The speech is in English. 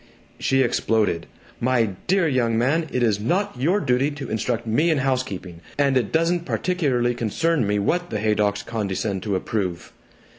She exploded. "My dear young man, it is not your duty to instruct me in housekeeping, and it doesn't particularly concern me what the Haydocks condescend to approve!"